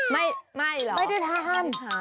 ไม่ไม่หรอไม่ได้ทาน